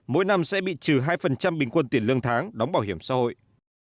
mỗi năm sẽ bị trừ hai bình quân tiền lương tháng đóng bảo hiểm xã hội